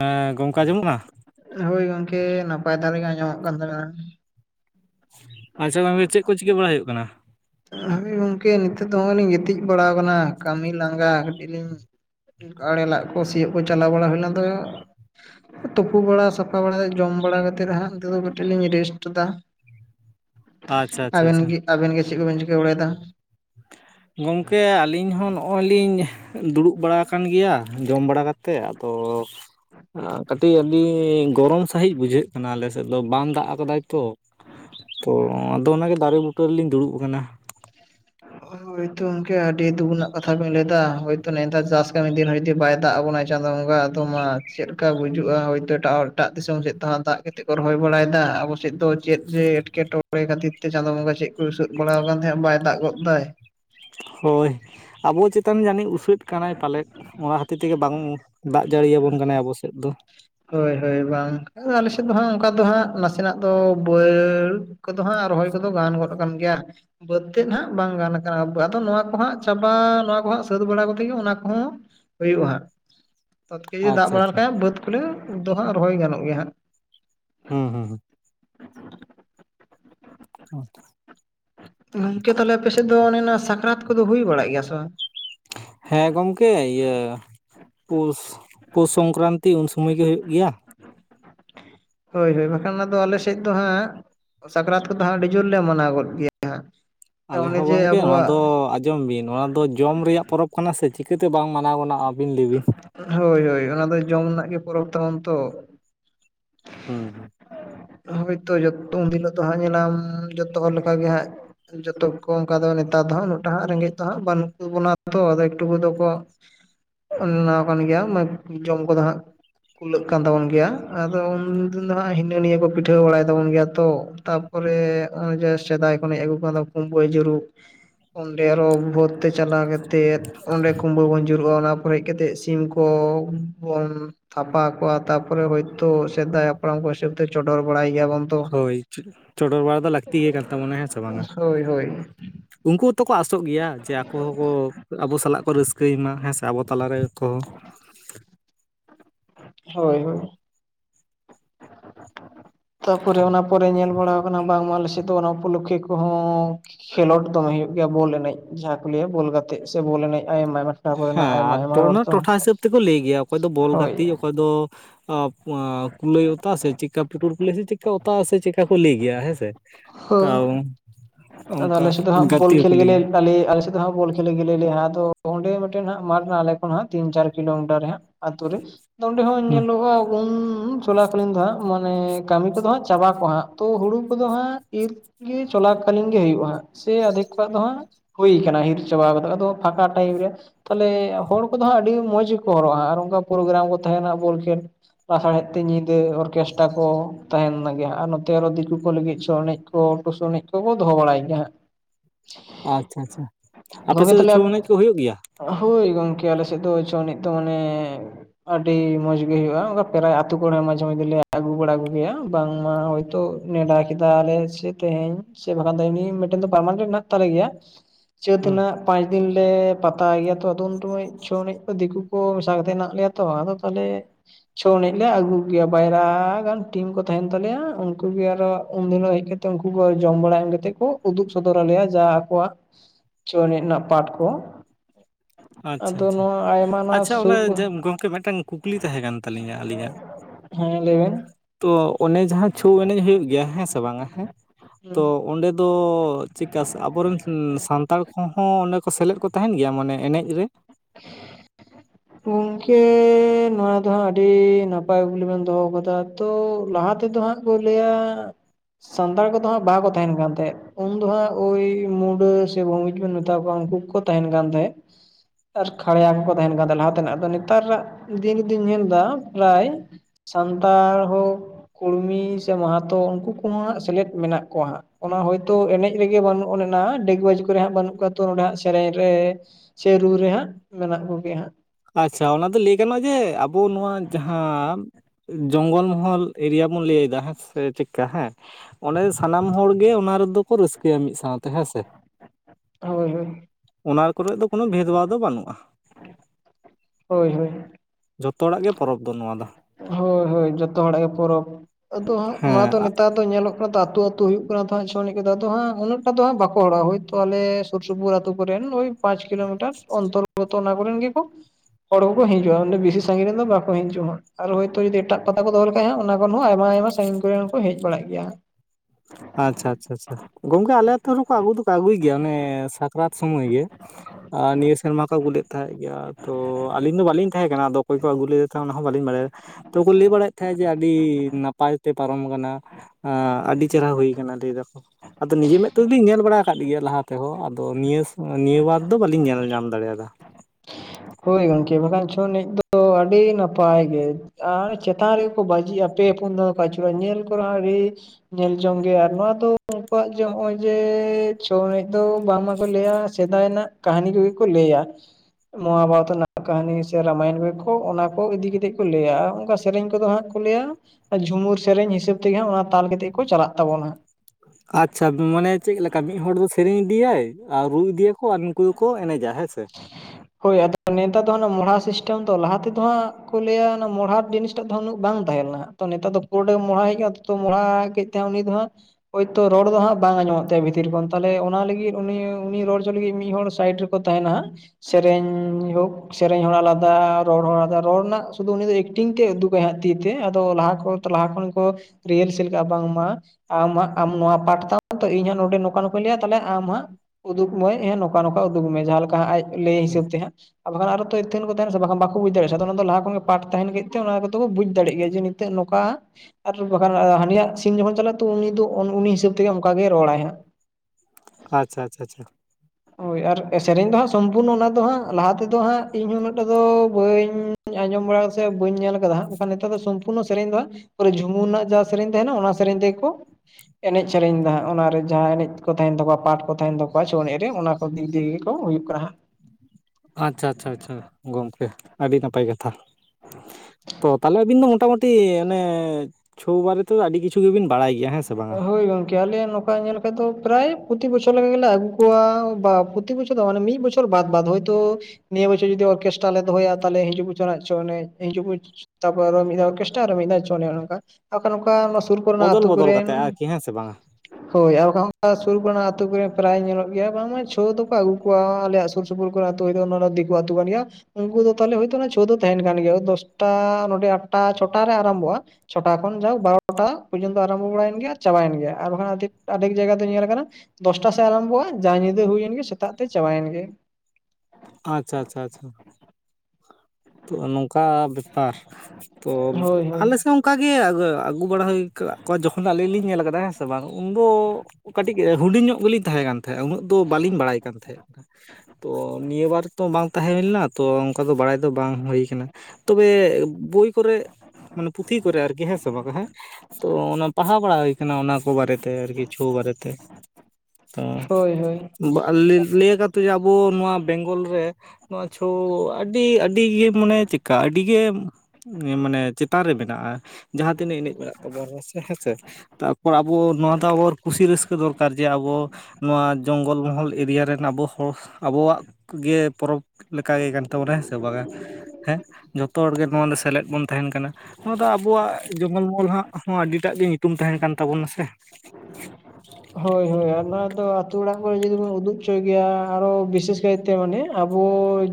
ᱦᱮᱸ ᱜᱚᱝᱠᱮ ᱟᱡᱚᱢᱚᱜ ᱠᱟᱱᱟ? ᱦᱳᱭ ᱜᱚᱝᱠᱮ ᱱᱟᱯᱟᱭ ᱫᱷᱟᱨᱟ ᱜᱮ ᱟᱸᱡᱚᱢᱚᱜ ᱠᱟᱱ ᱛᱟᱵᱮᱱᱟ᱾ ᱟᱪᱪᱷᱟ ᱜᱚᱝᱠᱮ ᱪᱮᱫ ᱠᱚ ᱪᱤᱠᱟᱹ ᱵᱟᱲᱟᱭ ᱦᱩᱭᱩᱜ ᱠᱟᱱᱟ? ᱦᱩᱭ ᱜᱚᱝᱠᱮ ᱱᱤᱛᱚᱜ ᱫᱚ ᱱᱚᱭ ᱞᱤᱧ ᱜᱤᱛᱤᱡ ᱵᱟᱲᱟᱟᱣ ᱠᱟᱱᱟ ᱠᱟᱹᱢᱤ ᱞᱟᱸᱜᱟ ᱠᱟᱹᱴᱤᱡ ᱞᱤᱧ ᱟᱲᱮ ᱞᱟᱜ ᱠᱚ ᱥᱤᱭᱟ ᱠᱚ ᱪᱟᱞᱟᱣ ᱵᱟᱲᱟ ᱦᱩᱭ ᱞᱮᱱ ᱛᱚ, ᱛᱩᱯᱩ ᱵᱟᱲᱟ ᱥᱟᱯᱷᱟ ᱵᱟᱲᱟ ᱡᱚᱢ ᱵᱟᱲᱟᱛᱮᱫ ᱦᱟᱸᱜ ᱱᱤᱛ ᱫᱚ ᱠᱟᱹᱴᱤᱡ ᱞᱤᱧ ᱨᱮᱥᱴ ᱫᱟ᱾ [unintelligible] ᱟᱪᱪᱷᱟ ᱟᱪᱪᱷᱟ ᱟᱵᱮᱱ ᱟᱪᱪᱷᱟ ᱜᱮ ᱟᱵᱮᱱ ᱜᱮ ᱪᱮᱫ ᱠᱚᱵᱮᱱ ᱪᱤᱠᱟᱹ ᱵᱟᱲᱟᱹᱭᱫᱟ? ᱜᱚᱝᱠᱮ ᱟᱹᱞᱤᱧ ᱦᱚᱸ ᱱᱚᱜᱼᱚᱭ ᱞᱤᱧ ᱫᱩᱲᱩᱵ ᱵᱟᱲᱟ ᱟᱠᱟᱱ ᱜᱮᱭᱟ ᱡᱚᱢ ᱵᱟᱲᱟ ᱠᱟᱛᱮᱫ, ᱟᱫᱚ ᱠᱟᱹᱴᱤᱡ ᱟᱹᱰᱤ ᱜᱚᱨᱚᱢ ᱥᱟᱦᱤᱡ ᱵᱩᱡᱷᱟᱹᱜ ᱠᱟᱱᱟ ᱟᱞᱮ ᱥᱮᱫ ᱫᱚ ᱵᱟᱝ ᱫᱟᱜ ᱟᱠᱟᱫᱟᱭ ᱛᱚ। ᱛᱚ ᱟᱫᱚ ᱚᱱᱟᱜᱮ ᱫᱟᱨᱮ ᱵᱩᱴᱟᱹ ᱨᱮᱞᱤᱧ ᱫᱩᱲᱩᱵ ᱠᱟᱱᱟ। [unintelligible] ᱦᱳᱭᱛᱚ ᱜᱚᱝᱠᱮ ᱟᱹᱰᱤ ᱫᱩᱠᱷ ᱨᱮᱱᱟᱜ ᱠᱟᱛᱷᱟ ᱵᱤᱱ ᱞᱟᱹᱭᱟ ᱦᱚᱭᱛᱚ ᱱᱮᱛᱟᱨ ᱪᱟᱥ ᱠᱟᱹᱢᱤ ᱫᱤᱱ ᱡᱩᱫᱤ ᱵᱟᱭ ᱫᱟᱜ ᱟᱵᱚᱱᱟ ᱪᱟᱸᱫ ᱵᱚᱸᱜᱟ ᱾ ᱟᱫᱚ ᱪᱮᱫ ᱞᱮᱠᱟ ᱵᱩᱡᱩᱜᱼᱟ ᱦᱭᱛᱳ ᱮᱴᱟᱜ ᱫᱤᱥᱚᱢ ᱥᱮᱫ ᱛᱮᱦᱚᱸ ᱫᱟᱜ। ᱛᱮ ᱠᱚ ᱨᱚᱦᱚᱭ ᱵᱟᱲᱟᱭᱮᱫᱟ ᱟᱵᱚ ᱥᱮᱫ ᱫᱚ ᱪᱮᱫ ᱡᱮ ᱮᱴᱠᱮᱴᱚᱬᱮ ᱠᱷᱟᱹᱛᱤᱨ ᱛᱮ ᱪᱟᱸᱫᱳ ᱵᱚᱸᱜᱟ ᱪᱮᱫ ᱩᱥᱟᱹᱫ ᱵᱟᱲᱟ ᱟᱠᱟᱱ ᱛᱟᱦᱮᱸᱼᱟ ᱵᱟᱭ ᱫᱟᱜ ᱜᱚᱫ ᱫᱟᱭ। ᱦᱳᱭ ᱟᱵᱚ ᱪᱮᱛᱟᱱ ᱡᱟᱹᱱᱤᱡ ᱩᱥᱟᱹᱫ ᱠᱟᱱᱟᱭ ᱯᱟᱞᱮᱫ ᱚᱱᱟ ᱠᱷᱟᱹ ᱠᱷᱟᱛᱤᱨ ᱛᱮᱜᱮ ᱵᱟᱝ ᱫᱟᱜ ᱡᱟᱹᱲᱤᱭᱟ ᱵᱚᱱ ᱠᱟᱱᱟ ᱟᱵᱚ ᱥᱮᱫ ᱫᱚ। ᱦᱳᱭ ᱦᱳᱭ ᱵᱟᱝ। ᱟᱞᱮ ᱥᱮᱫ ᱫᱚ ᱦᱟᱸᱜ ᱚᱱᱠᱟ ᱫᱚ ᱦᱟᱸᱜ ᱱᱟᱥᱮ ᱱᱟᱜ ᱫᱚ ᱵᱟᱹᱟᱹᱲ ᱠᱚᱫᱚ ᱦᱟᱸᱜ ᱨᱚᱦᱚᱭ ᱠᱚᱫᱚ ᱜᱟᱱ ᱜᱚᱫ ᱟᱠᱟᱱ ᱜᱮᱭᱟ। ᱵᱟᱹᱫᱽ ᱛᱮᱫ ᱦᱟᱸᱜ ᱵᱟᱝ ᱜᱟᱱ ᱠᱟᱱᱟ ᱟᱫᱚ ᱱᱚᱣᱟ ᱠᱚᱦᱟᱸᱜ ᱪᱟᱵᱟ ᱱᱚᱣᱟ ᱠᱚᱦᱟᱜ ᱥᱟᱹᱛ ᱵᱟᱲᱟ ᱠᱟᱛᱮ ᱜᱮ ᱚᱱᱟ ᱠᱚᱦᱚᱸ ᱦᱩᱭᱩᱜᱼᱟ, ᱛᱚᱛᱠᱮ ᱡᱩᱫᱤ ᱫᱟᱜ ᱟᱪᱪᱷᱟ ᱵᱟᱲᱟ ᱟᱪᱪᱷᱟ ᱞᱮᱠᱷᱟᱡ ᱵᱟᱹᱫᱽ [unintelligible] ᱫᱚ ᱦᱟᱸᱜ ᱨᱚᱦᱚᱭ ᱜᱟᱱᱚᱜ ᱜᱮᱭᱟ ᱦᱟᱸᱜ। ᱦᱩᱸ ᱦᱩᱸ ᱦᱩᱸ᱾ [unintelligible] ᱜᱚᱝᱠᱮ ᱛᱟᱦᱚᱞᱮ ᱟᱯᱮ ᱥᱮᱫ ᱫᱚ ᱚᱱᱮ ᱚᱱᱟ ᱥᱟᱠᱨᱟᱛ ᱠᱚᱫᱚ ᱦᱩᱭ ᱵᱟᱲᱟᱜ ᱜᱮᱭᱟ ᱥᱮ ᱵᱟᱝ? ᱦᱮᱸ ᱜᱚᱝᱠᱮ ᱤᱭᱟᱹ ᱯᱳᱥ ᱯᱳᱥ ᱥᱚᱝᱠᱨᱟᱱᱛᱤ ᱩᱱ ᱥᱩᱢᱚᱭ ᱜᱮ ᱦᱩᱭᱩᱜ ᱜᱮᱭᱟ। ᱦᱳᱭ ᱦᱳᱭ ᱵᱟᱠᱷᱟᱱ ᱚᱱᱟ ᱫᱚ ᱟᱞᱮ ᱥᱮᱫ ᱫᱚ ᱦᱟᱸᱜ ᱥᱟᱠᱨᱟᱛ ᱠᱚᱫᱚ ᱦᱟᱸᱜ ᱟᱹᱰᱤ ᱡᱳᱨᱞᱮ ᱢᱟᱱᱟᱣ ᱜᱚᱫ ᱜᱮᱭᱟ ᱦᱟᱜ। ᱟᱞᱮ ᱦᱚᱸ ᱜᱚᱝᱠᱮ ᱱᱚᱣᱟ ᱫᱚ ᱟᱸᱡᱚᱢ ᱵᱤᱱ ᱱᱚᱣᱟ ᱫᱚ ᱡᱚᱢ ᱨᱮᱭᱟᱜ ᱯᱚᱨᱚᱵᱽ ᱠᱟᱱᱟ ᱥᱮ ᱪᱤᱠᱟᱹᱛᱮ ᱵᱟᱝ ᱢᱟᱱᱟᱣ ᱜᱟᱚᱜ-ᱟᱹᱵᱤᱱ ᱞᱟᱹᱭ ᱵᱤᱱ? ᱦᱳᱭ ᱦᱳᱭ ᱚᱱᱟ ᱫᱚ ᱡᱚᱢ ᱨᱮᱱᱟᱜ ᱜᱮ ᱯᱚᱨᱚᱵᱽ ᱛᱟᱵᱚᱱ ᱛᱚ᱾ ᱦᱩᱸ ᱦᱩᱸ᱾ ᱦᱳᱭᱛᱚ ᱡᱚᱛᱚ ᱩᱱ ᱦᱤᱞᱳᱜ ᱫᱚ ᱦᱟᱸᱜ ᱧᱮᱞᱟᱢ ᱡᱚᱛᱚ ᱦᱚᱲ ᱞᱮᱠᱟᱜᱮ ᱦᱟᱸᱜ ᱡᱚᱛᱚ ᱠᱚ ᱚᱝᱠᱟ ᱫᱚ ᱱᱮᱛᱟᱨ ᱫᱚ ᱦᱟᱸᱜ ᱩᱱᱟᱹᱜᱴᱟ ᱨᱮᱸᱜᱮᱡ ᱫᱚ ᱦᱟᱸᱜ ᱵᱟᱹᱱᱩᱜ ᱛᱟᱵᱚᱱᱟ ᱛᱚ᱾ ᱟᱫᱚ ᱮᱠᱴᱩ ᱠᱚᱫᱚ ᱠᱚ ᱵᱮᱱᱟᱣ ᱟᱠᱟᱱ ᱜᱮᱭᱟ, ᱢᱟ ᱡᱚᱢ ᱠᱚᱫᱚ ᱦᱟᱸᱜ ᱠᱩᱞᱟᱹᱜ ᱠᱟᱱ ᱛᱟᱵᱚᱱ ᱜᱮᱭᱟ᱾ ᱟᱫᱚ ᱩᱱᱫᱤᱱ ᱫᱚ ᱦᱟᱸᱜ ᱦᱤᱱᱟᱹ ᱱᱤᱭᱟᱹ ᱠᱚ ᱯᱤᱴᱷᱟᱹ ᱵᱟᱲᱟᱭ ᱛᱟᱵᱚᱱ ᱜᱮᱭᱟ ᱛᱚ᱾ ᱛᱟᱯᱚᱨᱮ ᱢᱟᱦᱟᱸ ᱥᱮᱫᱟᱭ ᱠᱷᱚᱱ ᱦᱮᱡ ᱟᱹᱜᱩ ᱠᱟᱱᱟ ᱚᱱᱟᱫᱚ ᱠᱩᱢᱵᱟᱹ ᱡᱩᱨᱩᱜ᱾ ᱚᱸᱰᱮ ᱟᱨᱚ ᱵᱷᱤᱨ ᱛᱮ ᱪᱟᱞᱟᱣ ᱠᱟᱛᱮᱫ᱾ ᱚᱸᱰᱮ ᱠᱩᱢᱵᱟᱹ ᱵᱚᱱ ᱡᱩᱨᱩᱜᱼᱟ ᱚᱱᱟ ᱯᱚᱨᱮ ᱦᱮᱡ ᱠᱟᱛᱮ ᱥᱤᱢ ᱠᱚ ᱵᱚᱱ ᱛᱷᱟᱯᱟ ᱟᱠᱚᱣᱟ᱾ ᱛᱟᱯᱚᱨᱮ ᱦᱳᱭᱛᱳ ᱥᱮᱫᱟᱭ ᱦᱟᱯᱲᱟᱢ ᱠᱚ ᱦᱤᱥᱟᱹᱵᱽ ᱛᱮ ᱪᱚᱰᱚᱨ ᱵᱟᱲᱟᱭ ᱜᱮᱭᱟᱵᱚᱱ᱾ ᱛᱚ ᱦᱳᱭ, ᱪᱚᱰᱚᱨ ᱵᱟᱲᱟ ᱫᱚ ᱞᱟᱹᱠᱛᱤ ᱜᱮ ᱠᱟᱱ ᱛᱟᱵᱚᱱᱟ ᱦᱮᱸ ᱥᱮ ᱵᱟᱝᱟ᱾ ᱦᱳᱭ ᱦᱳᱭ ᱩᱝᱠᱩ ᱦᱚᱸᱛᱚᱠᱚ ᱟᱥᱚᱜ ᱜᱮᱭᱟ ᱡᱮ ᱟᱠᱚ ᱦᱚᱸᱠᱚ ᱟᱵᱚ ᱥᱟᱞᱟᱜ ᱠᱚ ᱨᱟᱹᱥᱠᱟᱹᱭ ᱢᱟ ᱦᱮᱸ ᱥᱮ ᱟᱵᱚ ᱛᱟᱞᱟᱨᱮ᱾ ᱛᱚ ᱦᱳᱭ ᱦᱳᱭ᱾ ᱛᱟᱨᱯᱚᱨᱮ ᱚᱱᱟ ᱯᱚᱨᱮ ᱧᱮᱞ ᱵᱟᱲᱟᱣ ᱠᱟᱱᱟ ᱵᱟᱝᱢᱟ ᱟᱞᱮᱥᱮᱫ ᱫᱚ ᱚᱱᱟ ᱩᱯᱚᱞᱚᱠᱠᱷᱮ ᱠᱚᱦᱚᱸ ᱠᱷᱮᱞᱳᱸᱰ ᱫᱚᱢᱮ ᱦᱩᱭᱩᱜ ᱜᱮᱭᱟ ᱵᱚᱞ ᱮᱱᱮᱡ ᱡᱟᱦᱟᱸ ᱠᱚ ᱞᱟᱹᱭᱟ ᱵᱚᱞ ᱜᱟᱛᱮᱜ ᱥᱮ ᱵᱚᱞ ᱮᱱᱮᱡ ᱟᱭᱢᱟ ᱟᱭᱢᱟ᱾ ᱴᱚᱴᱷᱟ ᱠᱚᱨᱮᱱᱟᱜ ᱦᱮᱸ ᱟᱭᱢᱟ ᱟᱨ ᱟᱭᱢᱟ ᱛᱚ ᱨᱚᱲ ᱚᱱᱟ ᱴᱚᱴᱷᱟ ᱦᱤᱥᱟᱹᱵ ᱛᱮᱠᱚ ᱞᱟᱹᱭ ᱜᱮᱭᱟ ᱚᱠᱚᱭ ᱫᱚ ᱵᱚᱞ ᱦᱳᱭ ᱜᱟᱛᱮᱜ, ᱚᱠᱚᱭ ᱫᱚ ᱟᱸᱻ ᱠᱩᱞᱟᱹᱭ ᱚᱛᱟ ᱥᱮ ᱪᱮᱫᱠᱟ ᱯᱩᱴᱩᱨ ᱠᱩᱞᱟᱹᱭ ᱥᱮ ᱪᱮᱫᱠᱟ ᱚᱛᱟ ᱥᱮ ᱚᱝᱠᱟ ᱠᱚ ᱞᱟᱹᱭ ᱜᱮᱭᱟ ᱦᱮᱸ ᱥᱮ ᱦᱚᱸ ᱛᱟᱣ ᱚᱝᱠᱟ ᱜᱟᱛᱮ ᱦᱚᱸ ᱠᱚ ᱞᱟᱹᱭ ᱜᱮᱭᱟ᱾ ᱵᱟᱝᱜᱮ, ᱟᱞᱮ ᱥᱮᱫ ᱫᱚ ᱦᱟᱸᱜ ᱵᱚᱞ ᱠᱷᱮᱹᱞ ᱜᱮᱞᱮ ᱞᱟᱹᱭᱟ ᱦᱟᱸᱜ᱾ ᱟᱫᱚ ᱚᱸᱰᱮ ᱢᱤᱫᱴᱮᱱ ᱦᱟᱸᱜ ᱢᱟᱴ ᱢᱮᱱᱟᱜ-ᱟ ᱟᱞᱮ ᱠᱷᱚᱱ ᱦᱟᱸᱜ ᱛᱤᱱ ᱪᱟᱨ ᱠᱤᱞᱳᱢᱤᱴᱟᱨ ᱨᱮ ᱦᱟᱸᱜ᱾ ᱟᱛᱩᱨᱮ᱾ ᱱᱚᱸᱰᱮ ᱦᱚᱸ ᱦᱩᱸ ᱧᱮᱞᱚᱜᱼᱟ ᱩᱱ ᱪᱚᱞᱟᱠᱟᱞᱤᱱ ᱫᱚ ᱦᱟᱸᱜ ᱢᱟᱱᱮ ᱠᱟᱹᱢᱤ ᱠᱚᱫᱚ ᱦᱟᱸᱜ ᱪᱟᱵᱟ ᱠᱚ ᱦᱟᱸᱜ᱾ ᱛᱚ ᱦᱩᱲᱩ ᱠᱚᱫᱚ ᱦᱟᱸᱜ ᱤᱨ ᱜᱮ ᱪᱚᱞᱟᱠᱟᱞᱤᱱ ᱜᱮ ᱦᱩᱭᱩᱜᱼᱟ ᱦᱟᱸᱜ, ᱥᱮ ᱟᱫᱷᱮᱠ ᱠᱚᱣᱟᱜ ᱫᱚ ᱦᱟᱸᱜ ᱦᱩᱭ ᱠᱟᱱᱟ ᱤᱨ ᱪᱟᱵᱟ ᱠᱟᱫᱟ ᱠᱚ, ᱟᱫᱚ ᱯᱷᱟᱸᱠᱟ ᱴᱟᱭᱤᱢ ᱨᱮ᱾ ᱛᱟᱦᱞᱮ ᱦᱚᱲ ᱠᱚᱫᱚ ᱦᱟᱸᱜ ᱟᱹᱰᱤ ᱢᱚᱸᱡᱽ ᱜᱮᱠᱚ ᱦᱚᱨᱚᱜᱼᱟ ᱟᱨ ᱚᱱᱠᱟ ᱯᱨᱳᱜᱨᱟᱢ ᱠᱚ ᱛᱟᱦᱮᱱᱟ ᱵᱚᱞ ᱠᱷᱮᱹᱞ᱾ ᱞᱟᱥᱟᱬᱦᱮᱫ ᱛᱮ ᱧᱤᱫᱟᱹ ᱚᱨᱠᱮᱥᱴᱨᱟ ᱠᱚ ᱛᱟᱸᱦᱮᱱᱱᱟ ᱜᱮ ᱦᱟᱸᱜ᱾ ᱟᱨ ᱱᱚᱛᱮ ᱟᱨᱚ ᱫᱤᱠᱩ ᱠᱚ ᱞᱟᱹᱜᱤᱫ ᱪᱷᱳ ᱮᱱᱮᱡ ᱠᱚ ᱴᱩᱥᱩ ᱮᱱᱮᱡ ᱠᱚᱠᱚ ᱫᱚᱦᱚ ᱵᱟᱲᱟᱭ ᱜᱮᱭᱟ ᱦᱟᱸᱜ᱾ ᱟᱪᱷᱟ ᱟᱪᱷᱟ᱾ ᱟᱯᱮ ᱜᱚᱝᱠᱮ ᱥᱮᱫ ᱫᱚ ᱛᱟᱦᱚᱞᱮ ᱪᱷᱳ ᱮᱱᱮᱡ ᱠᱚ ᱦᱩᱭᱩᱜ ᱜᱮᱭᱟ? ᱦᱳᱭ ᱜᱚᱝᱠᱮ ᱟᱞᱮ ᱥᱮᱫ ᱫᱚ ᱪᱷᱳ ᱮᱱᱤᱡ ᱫᱚ ᱢᱟᱱᱮ ᱟᱹᱰᱤ ᱢᱚᱸᱡᱽᱜᱮ ᱦᱩᱭᱩᱜᱼᱟ᱾ ᱚᱱᱠᱟ ᱯᱮᱨᱟᱭ ᱟᱹᱛᱩ ᱠᱚᱨᱮ ᱢᱟᱡᱷᱮ ᱢᱟᱡᱷᱮ ᱞᱮ ᱟᱹᱜᱩ ᱵᱟᱲᱟ ᱠᱚᱜᱮᱭᱟ᱾ ᱵᱟᱝ ᱢᱟ ᱦᱚᱭᱛᱳ ᱱᱮᱰᱟ ᱠᱮᱫᱟ ᱞᱮ ᱥᱮ ᱛᱮᱦᱮᱧ ᱥᱮ ᱵᱟᱠᱷᱟᱱ ᱫᱚ ᱮᱢᱱᱤ ᱢᱤᱫᱴᱮᱱ ᱫᱚ ᱯᱟᱨᱢᱟᱱᱮᱱᱴ ᱢᱮᱱᱟᱜ ᱛᱟᱞᱮ ᱜᱮᱭᱟ᱾ ᱪᱟᱹᱛ ᱦᱩᱸ ᱨᱮᱱᱟᱜ ᱯᱟᱸᱪ ᱫᱤᱱ ᱞᱮ ᱯᱟᱛᱟᱭ ᱜᱮᱭᱟ ᱛᱚ ᱟᱫᱚ ᱩᱱ ᱥᱚᱢᱚᱭ ᱪᱷᱳ ᱮᱱᱮᱡ ᱠᱚ, ᱫᱤᱠᱩ ᱠᱚ ᱢᱮᱥᱟ ᱠᱟᱛᱮᱫ ᱦᱮᱱᱟᱜ ᱞᱮᱭᱟ ᱛᱚ ᱟᱫᱚ ᱛᱟᱦᱞᱮ ᱪᱷᱳ ᱮᱱᱮᱡ ᱞᱮ ᱟᱹᱜᱩ ᱜᱮᱭᱟ ᱵᱟᱭᱨᱟ ᱜᱟᱱ ᱴᱤᱢ ᱠᱚ ᱛᱟᱸᱦᱮᱱ᱾ ᱛᱟᱞᱮᱭᱟ ᱩᱱᱠᱩ ᱜᱮ ᱟᱨᱚ ᱩᱱ ᱫᱤᱱ ᱦᱤᱞᱳᱜ ᱦᱮᱡ ᱠᱟᱛᱮ ᱩᱱᱠᱩ ᱠᱚ ᱡᱚᱢ ᱵᱟᱲᱟ ᱮᱢ ᱠᱟᱛᱮ ᱠᱚ ᱩᱫᱩᱜ ᱥᱚᱫᱚᱨ ᱟᱞᱮᱭᱟ ᱡᱟ ᱠᱟᱣᱟ ᱪᱷᱳ ᱮᱱᱮᱡ ᱨᱮᱱᱟᱜ ᱯᱟᱴ ᱠᱚ ᱟᱪᱷᱟ ᱟᱫᱚ ᱟᱪᱷᱟ᱾ ᱱᱚᱣᱟ ᱟᱭᱢᱟ ᱱᱚᱣᱟ ᱟᱪᱷᱟ ᱥᱩᱨ ᱚᱱᱟ ᱠᱚ ᱡᱚᱵ ᱜᱚᱝᱠᱮ ᱢᱤᱫᱴᱟᱝ ᱠᱩᱠᱞᱤ ᱛᱟᱦᱮᱸ ᱠᱟᱱ ᱛᱟᱹᱞᱤᱧᱟ ᱟᱹᱞᱤᱧᱟᱜ᱾ ᱦᱮᱸ ᱞᱟᱹᱭ ᱵᱮᱱ᱾ ᱛᱚ ᱚᱱᱮ ᱡᱟᱦᱟᱸ ᱪᱷᱳ ᱮᱱᱮᱡ ᱦᱩᱭᱩᱜ ᱜᱮᱭᱟ ᱦᱮᱸ ᱥᱮ ᱵᱟᱝᱟ ᱦᱮᱸ᱾ ᱛᱚ ᱚᱸᱰᱮ ᱫᱚ ᱪᱮᱠᱟ ᱟᱵᱚᱨᱮᱱ ᱥᱟᱱᱛᱟᱲ ᱠᱚᱦᱚᱸ ᱚᱸᱰᱮ ᱠᱚ ᱥᱮᱞᱮᱫ ᱠᱚ ᱛᱟᱦᱮᱱ ᱜᱮᱭᱟ ᱢᱟᱱᱮ ᱮᱱᱮᱡ? ᱨᱮ? [inaudible] ᱜᱚᱝᱠᱮ ᱱᱚᱣᱟ ᱫᱚᱦᱟᱸᱜ ᱟᱹᱰᱤ ᱱᱟᱯᱟᱭ ᱠᱩᱠᱞᱤ ᱵᱮᱱ ᱫᱚᱦᱚ ᱟᱠᱟᱫᱟ᱾ ᱛᱚ ᱞᱟᱦᱟ ᱛᱮᱫᱚ ᱦᱟᱸᱜ ᱠᱚ ᱞᱟᱹᱭᱟ ᱥᱟᱱᱛᱟᱲ ᱠᱚᱫᱚ ᱦᱟᱸᱜ ᱵᱟᱠᱚ ᱛᱟᱸᱦᱮᱱ ᱠᱟᱱ ᱛᱟᱦᱮᱸᱫ᱾ ᱩᱱ ᱫᱚ ᱦᱟᱸᱜ ᱳᱭ ᱢᱩᱰᱟᱹ ᱥᱮ ᱵᱷᱩᱢᱤᱡ ᱵᱮᱱ ᱢᱮᱛᱟ ᱠᱚᱣᱟ ᱩᱱᱠᱩ ᱠᱚ ᱠᱚ ᱛᱟᱦᱮᱱ ᱠᱟᱱ ᱛᱟᱦᱮᱸᱫ᱾ ᱟᱨ ᱠᱷᱟᱲᱭᱟ ᱠᱚᱠᱚ ᱛᱟᱦᱮᱱ ᱠᱟᱱ ᱛᱟᱦᱮᱸ ᱞᱟᱦᱟ ᱛᱮᱱᱟᱜ ᱟᱫᱚ ᱱᱮᱛᱟ ᱨᱟᱜ ᱫᱤᱱ ᱨᱮ ᱫᱚᱧ ᱧᱮᱞ ᱮᱫᱟ ᱯᱨᱟᱭᱼᱼ ᱥᱟᱱᱛᱟᱲ ᱦᱳ ᱠᱚᱲᱢᱤ ᱥᱮ ᱢᱟᱦᱟᱛᱚ ᱩᱱᱠᱩ ᱠᱚᱦᱚᱸ ᱦᱟᱸᱜ ᱥᱮᱞᱮᱫ ᱢᱮᱱᱟᱜ ᱠᱚᱣᱟ ᱦᱟᱸᱜ᱾ ᱚᱱᱟ ᱦᱚᱭᱛᱳ ᱮᱱᱮᱡ ᱨᱮᱜᱮ ᱵᱟᱹᱱᱩᱜᱟ ᱚᱱᱮ ᱚᱱᱟ ᱰᱮᱜᱚᱡ ᱠᱚᱨᱮ ᱦᱟᱸᱜ ᱵᱟᱹᱱᱩᱜ ᱠᱚᱣᱟ ᱛᱚ ᱱᱚᱸᱰᱮ ᱦᱟᱸ ᱥᱮᱨᱮᱧ ᱨᱮ᱾ ᱥᱮ ᱨᱩ ᱨᱮ ᱦᱟᱸᱜ ᱢᱮᱱᱟᱜ ᱠᱚ ᱜᱮᱭᱟ ᱦᱟᱸᱜ᱾ ᱟᱪᱪᱷᱟ ᱚᱱᱟ ᱫᱚ ᱞᱟᱹᱭ ᱜᱟᱱᱚᱜᱼᱟ, ᱡᱮ ᱟᱵᱚ ᱱᱚᱣᱟ ᱡᱟᱦᱟᱸᱼᱼ ᱡᱚᱝᱜᱚᱞ ᱢᱚᱦᱚᱞ ᱮᱨᱤᱭᱟ ᱵᱚᱱ ᱞᱟᱹᱭ ᱮᱫᱟ ᱦᱮᱸ ᱥᱮ ᱪᱮᱠᱠᱟ ᱦᱮᱸ᱾ ᱚᱱᱰᱮ ᱥᱟᱱᱟᱢ ᱦᱚᱲ ᱜᱮ ᱚᱱᱟ ᱨᱮᱫᱚ ᱠᱚ ᱨᱟᱹᱥᱠᱟᱹᱭᱟ ᱢᱤᱫ ᱥᱟᱶᱛᱮ ᱦᱮᱸ ᱥᱮ᱾ ᱦᱚᱭ ᱦᱚᱭ᱾ ᱚᱱᱟ ᱠᱚᱨᱮᱜ ᱫᱚ ᱠᱚᱱᱚ ᱵᱷᱮᱫ ᱵᱷᱟᱵᱽ ᱫᱚ ᱵᱟᱹᱱᱩᱜᱼᱟ᱾ ᱦᱳᱭ ᱦᱳᱭ᱾ ᱡᱚᱛᱚ ᱦᱚᱲᱟᱜ ᱜᱮ ᱯᱚᱨᱚᱵᱽ ᱫᱚ ᱱᱚᱣᱟ ᱫᱚ᱾ ᱦᱳᱭ ᱦᱳᱭ ᱡᱚᱛᱚ ᱦᱚᱲᱟᱜ ᱜᱮ ᱯᱚᱨᱚᱵᱽ ᱟᱫᱚ ᱦᱟᱸᱜ ᱱᱚᱣᱟ ᱦᱮᱸ ᱫᱚ ᱱᱮᱛᱟᱨ ᱫᱚ ᱧᱮᱞᱚᱜ ᱼᱼ ᱟᱹᱛᱩ ᱟᱹᱛᱩ ᱦᱩᱭᱩᱜ ᱠᱟᱱᱟ ᱛᱚ ᱪᱷᱳ ᱮᱱᱮᱡ ᱠᱚᱫᱚ ᱟᱫᱚ ᱦᱟᱸᱜ ᱩᱱᱟᱹᱜᱴᱟ ᱫᱚ ᱦᱟᱸᱜ ᱵᱟᱠᱚ ᱦᱚᱲᱟᱜᱼᱟ, ᱦᱳᱭ ᱛᱚ ᱟᱞᱮ ᱥᱩᱨ ᱥᱩᱯᱩᱨ ᱟᱛᱩ ᱠᱚᱨᱮᱱ ᱳᱭᱼᱼ ᱯᱟᱸᱪ ᱠᱤᱞᱳᱢᱤᱴᱟᱨ ᱚᱱᱛᱚᱨᱜᱚᱛᱼᱼ ᱜᱚᱛᱚ ᱚᱱᱟ ᱠᱚᱨᱮᱱ ᱜᱮᱠᱚ ᱦᱚᱲ ᱠᱚ ᱠᱚ ᱦᱤᱡᱩᱜᱼᱟ, ᱟᱱᱮ ᱵᱮᱥᱤ ᱥᱟᱺᱜᱤᱧ ᱨᱮᱱ ᱫᱚ ᱵᱟᱠᱚ ᱦᱤᱡᱩᱜᱼᱟ ᱦᱟᱜ ᱾ ᱟᱨ ᱦᱚᱭᱛᱚ ᱡᱩᱫᱤ ᱮᱴᱟᱜ ᱯᱟᱛᱟ ᱠᱚ ᱫᱚᱦᱚ ᱞᱮᱠᱷᱟᱡ ᱦᱟᱸᱜ‌ ᱚᱱᱟ ᱠᱷᱚᱱ ᱦᱚᱸ ᱟᱭᱢᱟ ᱟᱭᱢᱟ ᱥᱟᱺᱜᱤᱧ ᱠᱚᱨᱮᱱ ᱠᱚ ᱠᱚ ᱦᱮᱡ ᱵᱟᱲᱟᱜ ᱜᱮᱭᱟ᱾ ᱟᱪᱪᱷᱟ ᱟᱪᱪᱷᱟ ᱟᱪᱪᱷᱟ ᱜᱚᱝᱠᱮ ᱟᱞᱮ ᱟᱹᱛᱩ ᱨᱮᱦᱚᱸ ᱠᱚ ᱟᱹᱜᱩ ᱫᱚᱠᱚ ᱟᱹᱜᱩᱭ ᱜᱮᱭᱟ ᱚᱱᱮ ᱥᱟᱠᱨᱟᱛ ᱥᱚᱢᱚᱭ ᱜᱮ᱾ ᱟ ᱱᱤᱭᱟᱹ ᱥᱮᱨᱢᱟᱠᱚ ᱟᱹᱜᱩ ᱞᱮᱫ ᱛᱟᱦᱮᱸᱫ ᱜᱮᱭᱟ ᱛᱚ ᱟᱞᱤᱧ ᱫᱚ ᱵᱟᱞᱤᱧ ᱛᱟᱦᱮᱸ ᱠᱟᱱᱟ ᱟᱫᱚ ᱚᱠᱚᱭ ᱠᱚ ᱟᱜᱩ ᱞᱮᱫ᱾ ᱛᱚ ᱚᱱᱟ ᱦᱚᱸ ᱵᱟᱞᱤᱧ ᱵᱟᱲᱟᱭᱟ ᱛᱚ ᱠᱚ ᱞᱟᱹᱭ ᱵᱟᱲᱟᱭᱮᱫ ᱛᱟᱦᱮᱸᱜ ᱡᱮ ᱟᱹᱰᱤ ᱱᱟᱯᱟᱭ ᱛᱮ ᱯᱟᱨᱚᱢ ᱠᱟᱱᱟ᱾ ᱟ ᱟᱰᱤ ᱪᱮᱦᱨᱟ ᱦᱩᱭ ᱠᱟᱱᱟ ᱞᱟᱹᱭ ᱫᱟᱠᱚ᱾ ᱟᱫᱚ ᱱᱤᱡᱮ ᱢᱮᱫ ᱛᱮᱫᱚᱧ ᱧᱮᱞ ᱵᱟᱲᱟ ᱠᱟᱫ ᱜᱮᱭᱟ ᱞᱟᱦᱟ ᱛᱮᱦᱚᱸ ᱟᱫᱚ ᱱᱤᱭᱟᱹ ᱥᱩᱢᱟᱹ ᱱᱤᱭᱟᱹ ᱵᱟᱨ ᱫᱚ ᱵᱟᱞᱤᱧ ᱧᱮᱞ ᱧᱟᱢ ᱫᱟᱲᱮᱭᱟᱫᱟ᱾ ᱦᱳᱭ ᱜᱚᱢᱠᱮ ᱵᱟᱠᱷᱟᱱ ᱪᱷᱳ ᱮᱱᱮᱡ ᱫᱚ ᱟᱹᱰᱤ ᱱᱟᱯᱟᱭ ᱜᱮ᱾ ᱟᱨ ᱪᱮᱛᱟᱱ ᱨᱮᱜᱮ ᱠᱚ ᱵᱟᱡᱤᱜᱼᱟ ᱯᱮ ᱯᱩᱱ ᱫᱷᱟᱹᱣ ᱠᱚ ᱟᱹᱪᱩᱨᱚᱜᱼᱟ ᱧᱮᱞ ᱠᱚᱨᱮ ᱦᱚᱸ ᱟᱹᱰᱤᱼᱼ ᱧᱮᱞ ᱡᱚᱝ ᱜᱮ ᱟᱨ ᱱᱚᱣᱟ ᱫᱚ ᱩᱱᱠᱩᱣᱟᱜ ᱡᱮ ᱱᱚᱜᱼᱚᱭ ᱡᱮ ᱪᱷᱚ ᱮᱱᱮᱡ ᱫᱚ ᱵᱟᱝᱢᱟ ᱠᱚ ᱞᱟᱹᱭᱟᱼᱼ ᱥᱮᱫᱟᱭ ᱨᱮᱱᱟᱜ ᱠᱟᱹᱦᱱᱤ ᱠᱚᱜᱮ ᱠᱚ ᱞᱟᱹᱭᱟ᱾ ᱢᱚᱦᱟᱵᱟᱨᱚᱛ ᱨᱮᱱᱟᱜ ᱠᱟᱹᱦᱱᱤ ᱥᱮ ᱨᱟᱢᱟᱭᱚᱱ ᱠᱚᱜᱮ ᱠᱚ ᱚᱱᱟ ᱠᱚ ᱤᱫᱤ ᱠᱟᱛᱮᱜ ᱜᱮ ᱠᱚ ᱞᱟᱹᱭᱟ, ᱚᱱᱠᱟ ᱥᱮᱨᱮᱧ ᱠᱚᱫᱚ ᱦᱟᱸᱜ᱾ ᱞᱟᱹᱭᱟ ᱡᱷᱩᱢᱩᱨ ᱥᱮᱨᱮᱧ ᱦᱤᱥᱟᱹᱵ ᱛᱮᱜᱮ ᱦᱟᱸᱜ ᱚᱱᱟ ᱛᱟᱞ ᱠᱟᱛᱮᱜ ᱜᱮᱠᱚ ᱪᱟᱞᱟᱜ ᱛᱟᱵᱚᱱᱟ᱾ ᱟᱪᱪᱷᱟ, ᱢᱟᱱᱮ ᱪᱮᱜ ᱞᱮᱠᱟ ᱢᱤᱫ ᱦᱚᱲ ᱫᱚ ᱥᱮᱨᱮᱧ ᱤᱫᱤᱭᱟᱭ ᱟᱨ ᱨᱩ ᱤᱫᱤᱭᱟᱠᱚ ᱟᱨ ᱱᱩᱠᱩ ᱫᱚᱼᱼ ᱠᱚ ᱮᱱᱮᱡᱟ ᱦᱮᱸ ᱥᱮ᱾ ᱦᱳᱭ ᱟᱫᱚ ᱱᱮᱛᱟᱨ ᱫᱚ ᱚᱱᱟ ᱢᱚᱲᱦᱟ ᱥᱤᱥᱴᱮᱢ ᱛᱚ ᱞᱟᱦᱟ ᱛᱮᱫᱚ ᱦᱟᱸᱜ ᱠᱚ ᱞᱟᱹᱭᱟ ᱚᱱᱟ ᱢᱚᱲᱦᱟ ᱡᱤᱱᱤᱥᱴᱟᱜ ᱫᱚ ᱩᱱᱟᱹᱜ ᱵᱟᱝ ᱛᱟᱦᱮᱸ ᱞᱮᱱᱟ ᱦᱟᱸᱜ᱾ ᱛᱚ ᱱᱮᱛᱟᱨ ᱫᱚ ᱯᱩᱨᱟᱹ ᱢᱚᱲᱦᱟ ᱦᱮᱡ ᱟᱠᱟᱱᱟ ᱛᱚ ᱢᱚᱦᱲᱟ ᱠᱮᱫ ᱛᱟᱭᱟ ᱩᱱᱤ ᱫᱚ ᱦᱟᱸᱜ ᱦᱳᱭᱛᱳ ᱨᱚᱲ ᱫᱚ ᱦᱟᱸᱜ ᱵᱟᱝ ᱟᱸᱡᱚᱢᱚᱜ ᱛᱟᱭᱟ ᱵᱷᱤᱛᱤᱨ ᱠᱷᱚᱱ ᱛᱟᱦᱚᱞᱮ ᱚᱱᱟ ᱞᱟᱹᱜᱤᱫ ᱩᱱᱤ ᱩᱱᱤ ᱨᱚᱲ ᱦᱚᱪᱚ ᱞᱟᱹᱜᱤᱫ ᱢᱤᱫ ᱦᱚᱲᱚᱲ ᱥᱟᱭᱤᱴ ᱨᱮᱠᱚᱼᱼ ᱛᱟᱦᱮᱸᱱᱟ ᱦᱟᱜ ᱥᱮᱨᱮᱧ ᱦᱳᱠ᱾ ᱥᱮᱨᱮᱧ ᱦᱚᱲ ᱟᱞᱟᱫᱟ, ᱨᱚᱲ ᱦᱚᱲ ᱟᱞᱟᱫᱟ, ᱨᱚᱲ ᱨᱮᱱᱟᱜ ᱥᱩᱫᱷᱩ ᱩᱱᱤ ᱫᱚ ᱮᱠᱴᱤᱝ ᱛᱮᱫ ᱩᱫᱩᱜᱟᱭ ᱦᱟᱸᱜ ᱛᱤ ᱛᱮ ᱟᱫᱚ ᱞᱟᱦᱟ ᱠᱷᱚᱱᱼᱼ ᱛᱚ ᱞᱟᱦᱟ ᱠᱷᱚᱱ ᱜᱮᱠᱚ ᱨᱤᱭᱮᱞ ᱥᱮᱞ ᱠᱟᱜᱼᱟ, ᱵᱟᱝᱢᱟ᱾ ᱟᱢ ᱦᱟᱸᱜ ᱟᱢ ᱱᱚᱣᱟ ᱯᱟᱴᱷ ᱛᱟᱢ ᱛᱚ ᱤᱧ ᱦᱟᱸᱜ ᱱᱚᱰᱮ ᱱᱚᱝᱠᱟ ᱱᱚᱝ ᱠᱟᱧ ᱞᱟᱹᱭᱟ ᱛᱟᱦᱚᱞᱮ ᱟᱢ ᱦᱟᱸᱜ ᱩᱫᱩᱜᱢᱟᱹᱭ ᱦᱮ ᱱᱚᱝᱠᱟ ᱱᱚᱝᱠᱟ ᱩᱫᱩᱜ ᱢᱮ ᱡᱟᱦᱟᱸ ᱞᱮᱠᱟ ᱟᱡ ᱞᱟᱹᱭ ᱦᱤᱥᱟᱹᱵ ᱛᱮ ᱦᱟᱸᱜ᱾ ᱵᱟᱠᱷᱟᱱ ᱟᱨᱚ ᱛᱚ ᱤᱛᱷᱟᱹᱱ ᱠᱚ ᱛᱟᱦᱮᱱᱟ ᱥᱮ ᱵᱟᱠᱷᱟᱱ ᱵᱟᱠᱚ ᱵᱩᱡᱽ ᱫᱟᱲᱮᱭᱟᱜᱼᱟ, ᱟᱫᱚ ᱚᱱᱟᱫᱚ ᱞᱟᱦᱟ ᱠᱷᱚᱱ ᱜᱮ ᱯᱟᱴ ᱛᱟᱦᱮᱱ ᱠᱮᱛ ᱛᱮ ᱚᱱᱟ ᱠᱚᱫᱚ ᱵᱩᱡᱽ ᱫᱟᱲᱮᱜ ᱜᱮᱭᱟ ᱢᱮ ᱱᱤᱛᱼᱼ ᱛᱮᱜ ᱱᱚᱠᱟᱼᱼ ᱟᱨ ᱵᱟᱠᱷᱟᱱ ᱦᱟᱱᱤᱭᱟᱜ ᱥᱤᱱ ᱡᱚᱠᱷᱚᱱ ᱪᱟᱞᱟᱜᱼᱟ, ᱛᱚ ᱩᱱᱤ ᱫᱚ ᱩᱱᱤ ᱦᱤᱥᱟᱹᱵᱽ ᱛᱮᱜᱮ ᱚᱱᱠᱟ ᱜᱮ ᱨᱚᱲᱟᱭ ᱦᱟᱸᱜ᱾ ᱟᱪᱪᱷᱟ ᱟᱪᱪᱷᱟ ᱟᱪᱪᱷᱟ᱾ ᱦᱳᱭ ᱟᱨ ᱥᱮᱨᱮᱧ ᱫᱚ ᱦᱟᱸᱜ ᱥᱚᱢᱯᱩᱨᱱᱚ ᱚᱱᱟ ᱫᱚ ᱦᱟᱸᱜ ᱞᱟᱦᱟ ᱛᱮᱫᱚ ᱦᱟᱸᱜ ᱤᱧᱦᱚᱸ ᱩᱱᱟᱹᱜ ᱴᱟ ᱫᱚ ᱵᱟᱹᱧ ᱵᱟᱹᱧ ᱟᱸᱡᱚᱢ ᱵᱟᱲᱟ ᱠᱟᱫᱟ ᱥᱮ ᱵᱟᱹᱧ ᱧᱮᱞ ᱟᱠᱟᱫᱟ ᱱᱮᱛᱟᱨ ᱫᱚ ᱥᱚᱢᱯᱩᱨᱱᱚ ᱥᱮᱨᱮᱧ ᱫᱚ ᱦᱟᱜᱼᱼ ᱯᱩᱨᱟᱹ ᱡᱷᱩᱢᱩᱨ ᱨᱮᱱᱟᱜ ᱡᱟᱦᱟᱸ ᱥᱮᱨᱮᱧ ᱛᱟᱦᱮ‍‍ᱸᱱᱟ ᱚᱱᱟ ᱥᱮᱨᱮᱧ ᱛᱮᱜᱮ ᱠᱚᱼᱼ ᱮᱱᱮᱡ ᱥᱮᱨᱮᱧ ᱮᱫᱟ ᱚᱱᱟᱨᱮ ᱡᱟᱦᱟᱸ ᱮᱱᱮᱡ ᱠᱚ ᱛᱟᱦᱮᱱ ᱛᱟᱠᱚᱣᱟ ᱯᱟᱴ ᱠᱚ ᱛᱟᱦᱮᱱ ᱛᱟᱠᱚᱣᱟ ᱪᱷᱳ ᱮᱱᱮᱡ ᱾ ᱚᱱᱟ ᱠᱚ ᱫᱤᱠ ᱫᱤᱭᱮ ᱜᱮᱠᱚ ᱦᱩᱭᱩᱜ ᱠᱟᱱᱟ ᱦᱟᱸᱜ [unintelligible] ᱟᱪᱪᱷᱟ ᱟᱪᱪᱷᱟ ᱟᱪᱪᱷᱟ ᱜᱚᱝᱠᱮ, ᱟᱹᱰᱤ ᱱᱟᱯᱟᱭ ᱠᱟᱛᱷᱟ ᱾ ᱛᱚ ᱛᱟᱦᱞᱮ ᱟᱹᱵᱤᱱ ᱫᱚ ᱢᱚᱴᱟᱢᱩᱴᱤ ᱚᱱᱮ ᱪᱷᱚ ᱵᱟᱨᱮᱼᱼ ᱛᱚ ᱟᱹᱰᱤ ᱠᱤᱪᱷᱩ ᱜᱮᱵᱤᱱ ᱵᱟᱲᱟᱭ ᱜᱮᱭᱟ ᱦᱮᱸ ᱥᱮ ᱵᱟᱝᱟ ᱾ ᱠᱮᱭᱟ ᱞᱮ ᱟᱞᱮ ᱱᱚᱝᱠᱟ ᱧᱮᱞ ᱠᱷᱟᱱ ᱫᱚ ᱯᱨᱟᱭ ᱯᱨᱚᱛᱤ ᱵᱚᱪᱷᱚᱨ ᱞᱮᱠᱟ ᱜᱮᱞᱮ ᱟᱹᱜᱩ ᱠᱚᱣᱟ, ᱵᱟ ᱯᱨᱚᱛᱤ ᱵᱚᱪᱷᱚᱨ ᱫᱚ ᱢᱟᱱᱮ ᱢᱤᱫ ᱵᱚᱪᱷᱚᱨᱼᱼ ᱵᱟᱫ ᱵᱟᱫ ᱦᱚᱭᱛᱚ ᱱᱤᱭᱟᱹ ᱵᱚᱪᱷᱚᱨ ᱡᱚᱫᱤ ᱚᱨᱠᱮᱥᱴᱨᱟ ᱞᱮ ᱫᱚᱦᱚᱭᱟ, ᱛᱟᱦᱚᱞᱮ ᱦᱤᱡᱩᱜ ᱵᱚᱪᱷᱚᱨ ᱪᱷᱳ ᱮᱱᱮᱡ ᱦᱤᱡᱼᱼ ᱛᱟᱯᱚᱨ ᱟᱨ ᱢᱤᱫ ᱫᱷᱟᱣ ᱚᱨᱠᱮᱥᱴᱟ ᱟᱨ ᱢᱤᱫ ᱫᱷᱟᱣ ᱪᱷᱳ ᱮᱱᱮᱡ ᱱᱚᱠᱟ ᱟᱨ ᱵᱟᱝᱠᱷᱟᱱ ᱱᱚᱝᱠᱟ ᱥᱩᱨᱼᱼ ᱠᱚᱱᱟ ᱚᱫᱚᱞ ᱟᱛᱩ ᱵᱚᱫᱚᱞ ᱠᱚᱨᱮᱱᱼᱼ ᱠᱟᱛᱮ ᱟᱨᱠᱤ ᱦᱮᱸ ᱥᱮ ᱵᱟᱝᱟ? ᱦᱳᱭ ᱟᱨ ᱵᱟᱠᱷᱟᱱ ᱥᱩᱨ ᱠᱚᱨᱮᱱᱟ ᱟᱹᱛᱩ ᱠᱚᱨᱮ ᱯᱨᱟᱭ ᱧᱮᱞᱚᱜ ᱜᱮᱭᱟ ᱵᱟᱝᱢᱟ ᱪᱷᱚ ᱫᱚᱠᱚ ᱟᱹᱜᱩᱼᱼ ᱠᱚ ᱟᱞᱮ ᱥᱩᱨ ᱥᱩᱯᱩᱨ ᱠᱚ ᱟᱛᱩ ᱚᱱᱟ ᱫᱤᱠᱩ ᱟᱛᱩ ᱠᱟᱱ ᱜᱮᱭᱟ ᱾ ᱩᱱᱠᱩ ᱫᱚ ᱛᱟᱦᱚᱞᱮ ᱦᱳᱭ ᱛᱚ ᱪᱷᱳ ᱫᱚ ᱛᱟᱦᱮᱱ ᱠᱟᱱ ᱜᱮᱭᱟ, ᱫᱚᱥᱴᱟ ᱱᱚᱰᱮ ᱟᱴᱴᱟ ᱪᱷᱚᱴᱟ ᱨᱮ ᱟᱨᱟᱢᱵᱚᱜᱼᱟ ᱾ ᱪᱷᱚᱴᱟ ᱠᱷᱚᱱ ᱡᱟᱦᱚᱜ ᱵᱟᱨᱚᱴᱟ ᱯᱚᱨᱡᱚᱱᱼᱼ ᱟᱨᱟᱢᱵᱚ ᱵᱟᱲᱟᱭᱮᱱ ᱜᱮᱭᱟ ᱟᱨ ᱪᱟᱵᱟᱭᱮᱱ ᱜᱮᱭᱟ ᱾ ᱟᱨ ᱵᱟᱠᱷᱟᱱ ᱟᱫᱷᱮᱠ, ᱟᱫᱷᱮᱠ ᱡᱟᱭᱜᱟ ᱫᱚ ᱧᱮᱞ ᱟᱠᱟᱱᱟᱼᱼ ᱫᱚᱥᱴᱟ ᱥᱮᱫ ᱟᱨᱟᱢᱵᱚᱜᱼᱟ ᱡᱟ ᱧᱤᱫᱟᱹ ᱦᱩᱭᱮᱱ ᱜᱮ ᱥᱮᱛᱟᱜ ᱛᱮ ᱪᱟᱵᱟᱭᱮᱱ ᱜᱮ ᱾ ᱟᱪᱪᱷᱟ, ᱟᱪᱪᱷᱟ, ᱟᱪᱪᱷᱟ, ᱛᱚ ᱱᱚᱝᱠᱟᱼᱼ ᱵᱮᱯᱟᱨ ᱛᱚ ᱦᱳᱭ ᱦᱳᱭ ᱟᱞᱮ ᱥᱮᱫᱼᱼ ᱚᱱᱠᱟᱜ ᱜᱮ ᱟᱹᱜᱩ ᱵᱟᱲᱟ ᱦᱩᱭ ᱟᱠᱟᱜ ᱠᱚᱣᱟ, ᱡᱚᱠᱷᱚᱱ ᱫᱚ ᱟᱞᱤᱧ ᱞᱤᱧ ᱧᱮᱞ ᱟᱠᱟᱫᱟ ᱦᱮᱸ ᱥᱮ ᱵᱟᱝ ᱩᱱᱫᱚᱼᱼ ᱠᱟᱹᱴᱤᱡ ᱦᱩᱰᱤᱧ ᱧᱚᱜ ᱜᱮᱞᱤᱧ ᱛᱟᱦᱮᱸ ᱠᱟᱱ ᱛᱟᱦᱮᱼᱟ, ᱩᱱᱟᱹᱜ ᱫᱚ ᱵᱟᱞᱤᱧ ᱵᱟᱲᱟᱭ ᱠᱟᱱ ᱛᱟᱦᱮᱸ ᱠᱟᱱᱟ ᱛᱚᱼᱼ ᱱᱤᱭᱟᱹ ᱵᱟᱨ ᱛᱚ ᱵᱟᱝ ᱛᱟᱦᱮᱸ ᱞᱮᱱᱟ ᱛᱚ ᱚᱱᱠᱟ ᱫᱚ ᱵᱟᱲᱟᱭ ᱫᱚ ᱵᱟᱝ ᱦᱩᱭ ᱟᱠᱟᱱᱟ ᱾ ᱛᱚᱵᱮ ᱵᱳᱭ ᱠᱚᱨᱮ ᱚᱱᱮ ᱯᱩᱛᱷᱤ ᱠᱚᱨᱮ ᱟᱨᱠᱤ ᱦᱮᱸ ᱥᱮ ᱵᱟᱝ ᱦᱮᱸᱼᱼ ᱛᱚ ᱚᱱᱟ ᱯᱟᱲᱦᱟᱣ ᱵᱟᱲᱟ ᱦᱩᱭ ᱠᱟᱱᱟ ᱚᱱᱟ ᱠᱚ ᱵᱟᱨᱮ ᱛᱮ ᱟᱨᱠᱤ ᱪᱷᱳ ᱵᱟᱨᱮᱛᱮ ᱾ ᱛᱚ ᱦᱳᱭ ᱦᱳᱭ ᱵᱟ ᱞᱟᱹᱭ ᱞᱟ, ᱭ ᱠᱟᱛᱮ ᱡᱮ ᱟᱵᱚ ᱱᱚᱣᱟᱼᱼ ᱵᱮᱝᱜᱚᱞ ᱨᱮ ᱱᱚᱣᱟ ᱪᱷᱚ ᱟᱹᱰᱤ ᱟᱹᱰᱤ ᱤᱭᱟᱹ ᱢᱟᱱᱮ ᱪᱤᱠᱟ ᱟᱹᱰᱤ ᱜᱮᱼᱼ ᱢᱟᱱᱮ ᱪᱮᱛᱟᱱ ᱨᱮ ᱢᱮᱱᱟᱜᱼᱟ, ᱡᱟᱦᱟᱸ ᱛᱤᱱᱟᱹᱜ ᱮᱱᱮᱡ ᱢᱮᱱᱟᱜ ᱛᱟᱵᱚᱱᱟ ᱦᱮᱸᱥᱮ ᱾ ᱛᱟᱨᱯᱚᱨ ᱟᱵᱚ ᱱᱚᱣᱟ ᱫᱚ ᱟᱵᱚ ᱠᱩᱥᱤ ᱨᱟᱹᱥᱠᱟᱹ ᱫᱚᱨᱠᱟᱨ ᱡᱮ ᱟᱵᱚᱼᱼ ᱱᱚᱣᱟ ᱡᱚᱝᱜᱚᱞ ᱢᱚᱦᱚᱞ ᱮᱨᱤᱭᱟ ᱨᱮᱱ ᱟᱵᱚ ᱦᱚᱲ ᱟᱵᱚᱣᱟᱜᱼᱼ ᱜᱮ ᱯᱚᱨᱚᱵᱽ ᱞᱮᱠᱟ ᱜᱮ ᱠᱟᱱ ᱛᱟᱵᱚᱱᱟ ᱦᱮᱸ ᱥᱮ ᱵᱟᱝᱟ ᱾ ᱦᱮᱸ ᱡᱚᱛᱚ ᱦᱚᱲ ᱜᱮ ᱱᱚᱣᱟ ᱫᱚ ᱥᱮᱞᱮᱫ ᱵᱚᱱ ᱛᱟᱦᱮᱱ ᱠᱟᱱᱟ, ᱱᱚᱣᱟ ᱫᱚ ᱟᱵᱚᱣᱟᱜ ᱡᱚᱝᱜᱚᱞ ᱢᱚᱦᱚᱞ ᱦᱟᱸᱜᱼᱼ ᱱᱚᱣᱟ ᱟᱹᱰᱤ ᱴᱟᱜ ᱜᱮ ᱧᱩᱛᱩᱢ ᱛᱟᱦᱮ ᱠᱟᱱ ᱛᱟᱵᱚᱱᱟ ᱥᱮ ᱾ ᱦᱳᱭ ᱦᱳᱭ ᱟᱨ ᱱᱚᱣᱟ ᱫᱚ ᱟᱛᱩ ᱚᱲᱟᱜ ᱠᱚᱨᱮ ᱡᱩᱫᱤ ᱵᱚᱱ ᱩᱫᱩᱜ ᱦᱚᱪᱚᱭ ᱜᱮᱭᱟ ᱟᱨᱚ ᱵᱤᱥᱮᱥ ᱠᱟᱭᱛᱮᱼᱼ ᱛᱮ ᱢᱟᱱᱮ ᱟᱵᱚ